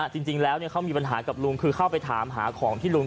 จริงแล้วเขามีปัญหากับลุงคือเข้าไปถามหาของที่ลุง